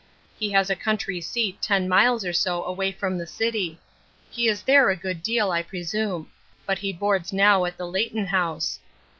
He has a country seat ten miles or so away from the city. He is there a good deal, I presume ; but he boards now at the Leighton House.